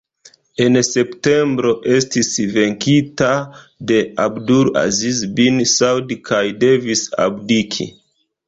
En septembro estis venkita de Abdul-Aziz bin Saud kaj devis abdiki.